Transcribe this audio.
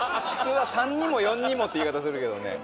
當未「３にも４にも」って言い方するけどね。